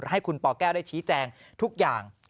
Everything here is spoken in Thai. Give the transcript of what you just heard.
ให้คุณปแก้วได้ชี้แจงทุกอย่าง